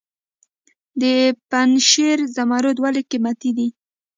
د پنجشیر زمرد ولې قیمتي دي؟